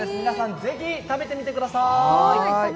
皆さん、ぜひ食べてみてください。